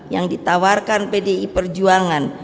yang ditawarkan pdi perjuangan